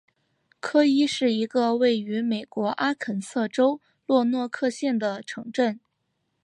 科伊是一个位于美国阿肯色州洛诺克县的城镇。